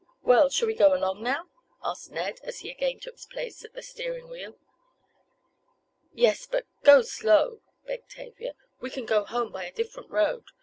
"Well, shall we go along now?" asked Ned, as he again took his place at the steering wheel. "Yes, but go slow," begged Tavia. "We can go home by a different road.